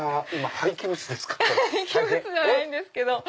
廃棄物ではないんですけど。